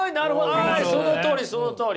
あそのとおりそのとおり！